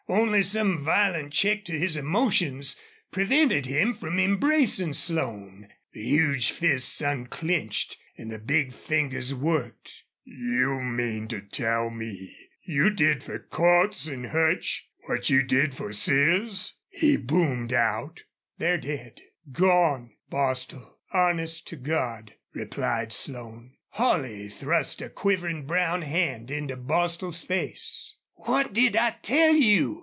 Only some violent check to his emotion prevented him from embracing Slone. The huge fists unclenched and the big fingers worked. "You mean to tell me you did fer Cordts an' Hutch what you did fer Sears?" he boomed out. "They're dead gone, Bostil honest to God!" replied Slone. Holley thrust a quivering, brown hand into Bostil's face. "What did I tell you?"